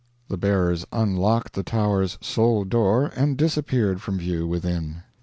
The bearers unlocked the Tower's sole door and disappeared from view within.